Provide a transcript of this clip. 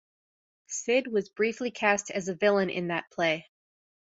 Syd was briefly cast as a villain in that play.